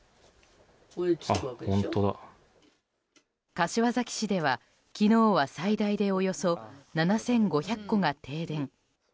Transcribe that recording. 柏崎市では、昨日は最大でおよそ７５００戸が停電。